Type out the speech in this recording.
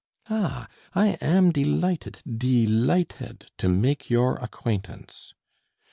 "Ah! I am delighted de ligh ted to make your acquaintance."